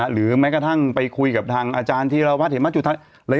หรือแม้กระทั่งไปคุยกับทางอาจารย์ที่เราวัฒนธิมาจุธรรม